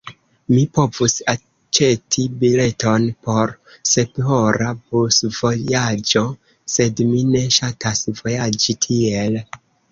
Mi povus aĉeti bileton por sephora busvojaĝo, sed mi ne ŝatas vojaĝi tiel.